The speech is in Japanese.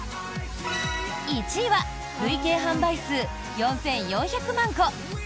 １位は累計販売数４４００万個。